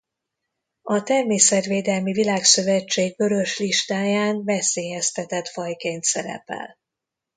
A Természetvédelmi Világszövetség Vörös listáján veszélyeztetett fajként szerepel.